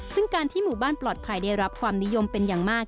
ซึ่งการที่หมู่บ้านปลอดภัยได้รับความนิยมเป็นอย่างมาก